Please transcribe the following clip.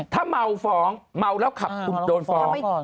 ถ้าเมาฟ้องเมาแล้วขับคุณโดนฟ้อง